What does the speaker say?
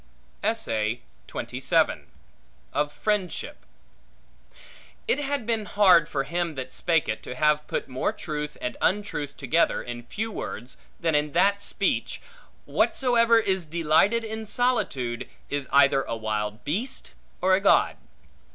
Of Friendship IT HAD been hard for him that spake it to have put more truth and untruth together in few words, than in that speech, Whatsoever is delighted in solitude, is either a wild beast or a god.